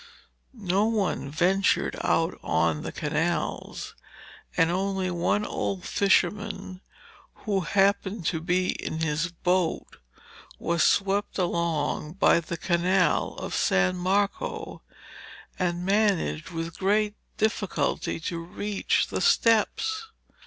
No one ventured out on the canals, and only an old fisherman who happened to be in his boat was swept along by the canal of San Marco, and managed with great difficulty to reach the steps.